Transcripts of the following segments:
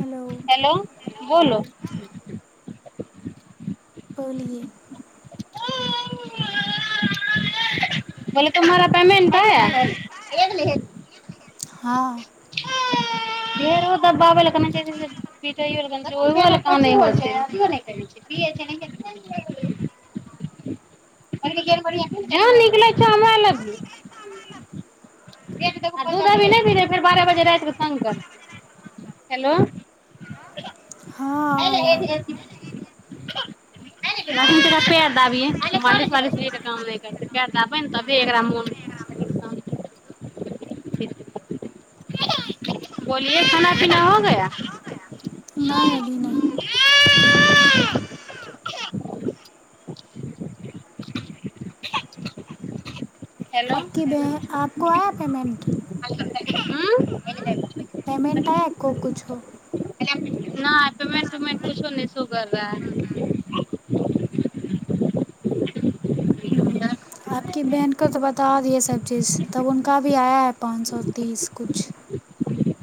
hello hello बोलो बोलिये पहले तुम्हारा पेमेंट आया है हां ढेो दबबाब निक छरा भी फेर बारह बजे रति क तग कर हेलो हाँ हय आया हय ले पैर दाबियै मालिश मालिश तऽ काम नहि करतै पैर दाबै ने तबे एकरा मोन शांति बोलिए खाना पीना हो गया हाँ अभी बांकीय आप की बहन आपको आया था अस [inaudible] पेमेन्ट आया एको किछौ नै पेमेंट -नै पेमेंट उमेंट कुछोअ नहि सो कर रहा है हम्म, आपकी बहन को त बता दियए सब तब हुनका अभी आय है पाँच सए तीस कुछ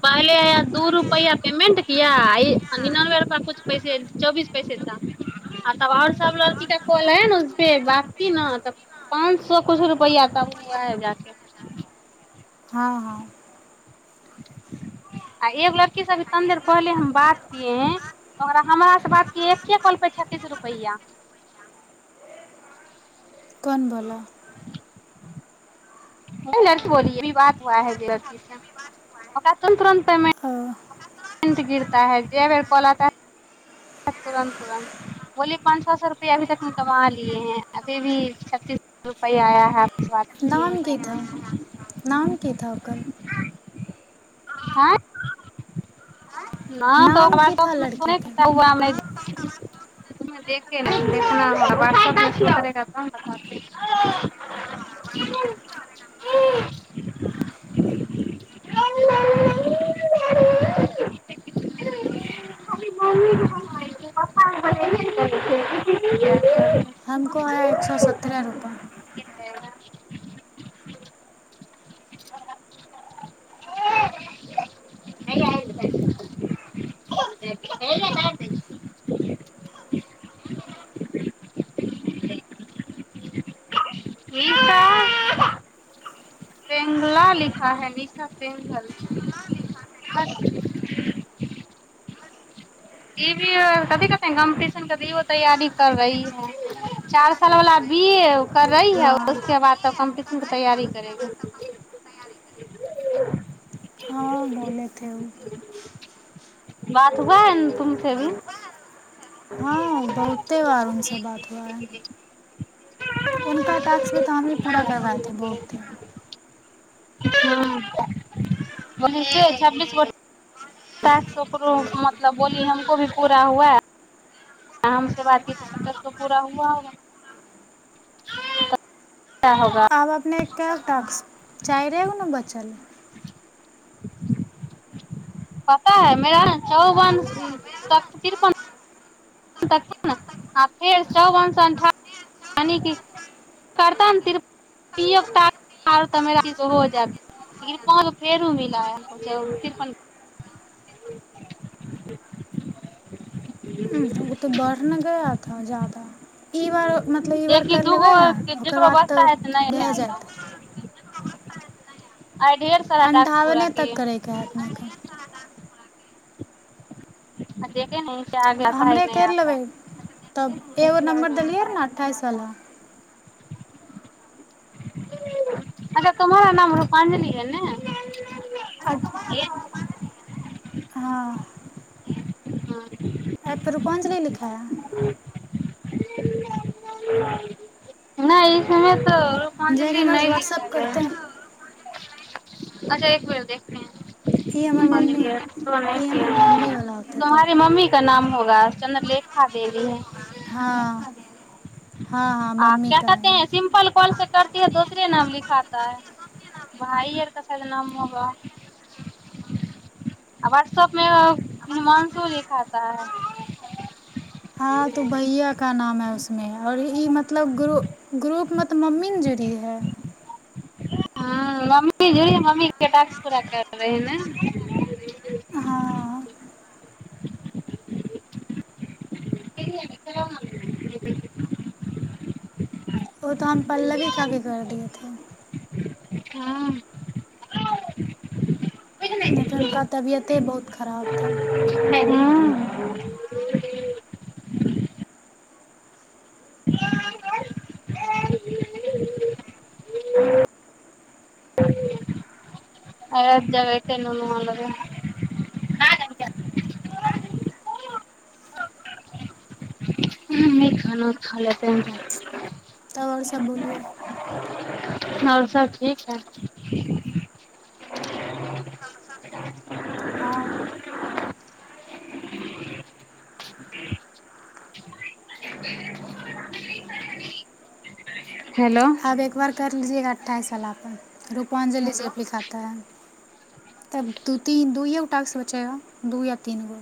पहिले आया दू रुपआ पेमेंट किया निनानबे रुपआ कुछु पैसे चौबीस पैसे तक आ तब आओर सब लड़कीा कॉल हय ने उपे बी ने तऽ पाच सो कछ रुपआ त ओ जाके हाँ हाँ आ एगो लड़कीसँ अभी तनी देर पहिले हम बात कै है ओकरा हमरासँ बात कै एके कलपै छत्तीस रुपैआ कोन बोलऽ लड़की बोली है अभी बात हुआ है लड़की से तुरन्तेमे अ, पेमेंट गिरता है जे बेर कॉल आता है तुरन्त तुरन्त बोलि पाँच सए सए रुपआ अभी तकमे कमा लियए है अभी भी छत्तस रुपैआ आया है आपसे बात किए नाम हैं तो कीथा नाम की थ ओकर आँ न त नाम ओकरा की था आर मे लड़की सुने के उआमे देखे देखना होगा मम्मी बोलय पप्पा बोलय ने करै छै हमको आया एक सौ सत्रह रुपये हइया एलो - ह्यया हया दाबि दय छियोउ गीता एंगल लिखा है लिखा एंगल कथी कथि तैयारी करी है चार साल वालला बी एी है उस हाँ बाद कम्पटीशन तैयारी कर रहि है हाँ [unintelligible] बोले थे वो बात हुआ है ने तुमस भी हँ बहुते बार उस बात हुआ है उका टा्कस भी त हमी पूरा करबाये थे बहुते हँ बोली कें छबीस गो साास ओकरो मतलब बोली हमको भी पूरा हुआ है आराम से बात की तऽ सतर् पूरा हुआ होगा क्या होगा आब अपने काए टॉक्स चारि गो न बचल पता है मेरा चौवन तख तिरपन देखुहुँ न आ फेर चौवन स अंठाबन यानि की करता हो जाता फेरो मिल तिरपन गो ओ तऽ बढ़ ने गया था ज्यादा ई बार मतलब ई बार देखि कर दूगो लेबै ने ओकर जकरो बाद तऽ बचता है त नहि भए आता जायत है ह अन्ठावने तक करैके हइ अपने अ केे नहि हमरे कर लेबै तब एगो है नम्बर देलियै ने अठाइस चला अग कमरा नाम रूपां्जलि ए ने ख त हँ एऐप रूपंजल लिखा ह नहि एहि समय तऽ जैन रूपांजलि हमर नहि व्हाट्सअप करतै लिखल अचा एक बेर देखब ई हमर मम्मी ई हमर मम्मी वाला होतै तुम्हारे तब मम्मी का नाम होगा चंन्द्रलेखा देवी है हँ आ क कहतेै सिम्पल कॉल से कर ै दोसरे नाम लिखातता है भाइ आर का शायद नाम होगा वाट्सप मे हिमानंशु लिखता है हँ तो भैया का नाम है उसमे आओर ई मतलब ग्रु ग्रुप मत तब मम्मी ने जुड़ी है हँ मम्मी ज मम्मीट पूरा कर रहे है ने हाँ [unintelligible] ओ तऽ हम पल्लवी का भी कर दएथे लेकिन हुनका तबियते बहुत खराब था राइत आ आ अ जग नन लब ह नहि खाना ख ला त आओर सब बोलिय आओर सब ठीक हइ हाँ [unintelligible] [unintelligible] हेलो आब एक बार कर लीजियए घा अठ्ठाइस सालला पर रूपां जलेसप लिखाता है तब दू तीन दूयए गो टाकसँ बचेगा दू या तीन गो